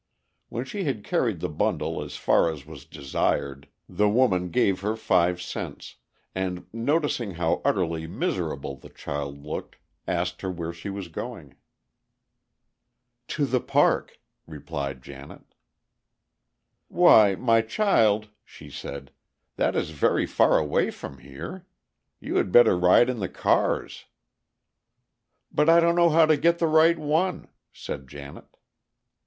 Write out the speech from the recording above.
When she had carried the bundle as far as was desired, the woman gave her five cents, and, noticing how utterly miserable the child looked, asked her where she was going. "To the park," replied Janet. "Why, my child," she said, "that is very far away from here. You had better ride in the cars." "But I don't know how to get the right one," said Janet.